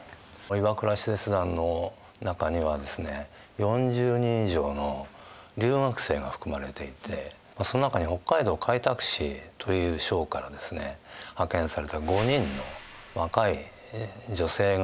岩倉使節団の中にはですね４０人以上の留学生が含まれていてその中に北海道開拓使という省からですね派遣された５人の若い女性がいたんです。